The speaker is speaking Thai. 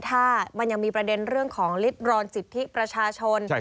ถ้ามันยังมีประเด็นเรื่องของลิดรอนสิทธิประชาชน